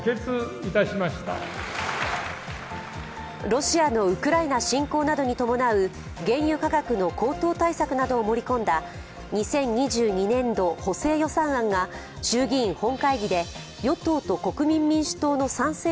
ロシアのウクライナ侵攻などに伴う原油価格の高騰対策などを盛り込んだ２０２２年度補正予算案が衆議院本会議で与党と国民民主党の賛成